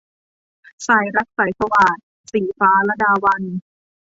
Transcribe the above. สายรักสายสวาท - ศรีฟ้า ลดาวัลย์